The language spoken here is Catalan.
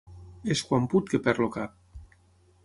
És quan put que perd el cap.